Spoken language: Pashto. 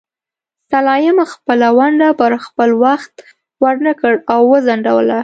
سلایم خپله ونډه پر خپل وخت ورنکړه او وځنډوله.